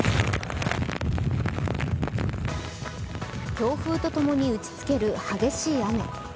強風とともに打ちつける激しい雨。